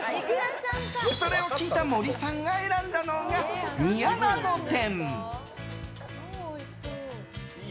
それを聞いた森さんが選んだのが煮アナゴ天。